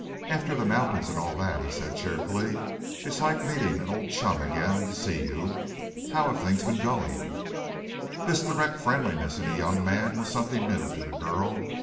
"After the mountains and all that," he said cheerfully, "it's like meeting an old chum again to see you. How have things been going?" This direct friendliness in a young man was something new to the girl.